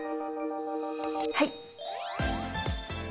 はい。